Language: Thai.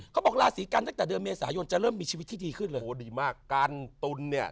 เขาบอกลาสีกันจากเดินเมษายนจะเริ่มมีชีวิตที่ดีขึ้นเลย